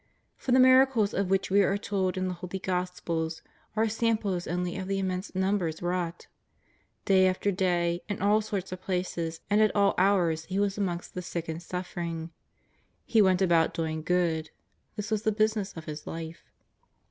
Por the miracles of which we are told in the holy Gospels are samples only of the immense numbers wrought. Day after day, in all sorts of places, and at all hours He was amongst the sick and suffering. He " went about doing good," this was the business of His Life.